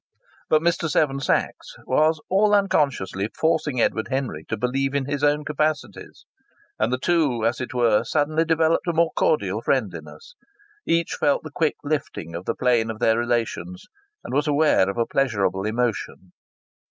But Mr. Seven Sachs was, all unconsciously, forcing Edward Henry to believe in his own capacities; and the two as it were suddenly developed a more cordial friendliness. Each felt the quick lifting of the plane of their relations, and was aware of a pleasurable emotion.